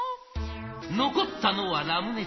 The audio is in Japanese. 残ったのはラムネチーム。